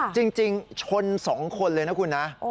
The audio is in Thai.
จริงชน๒คนเลยนะคุณนะ